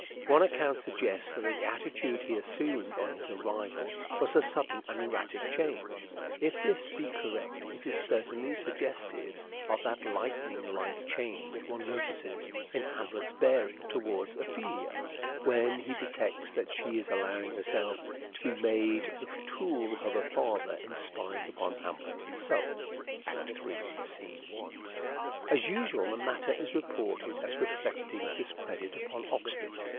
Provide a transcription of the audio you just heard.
One account suggests that the attitude he assumed on his arrival was a sudden and erratic change. If this be correct it is certainly suggestive of that lightning like change one notices in Hamlet's bearing towards Ophelia, when he detects that she is allowing herself to be made the tool of her father in spying upon Hamlet himself (Act III, scene i). As usual the matter is reported as reflecting discredit upon Oxford.